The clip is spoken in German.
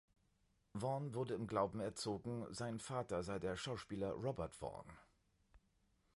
Vaughn wurde im Glauben erzogen, sein Vater sei der Schauspieler Robert Vaughn.